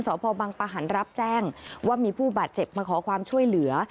สพบังปะหันรับแจ้งว่ามีผู้บาดเจ็บมาขอความช่วยเหลือ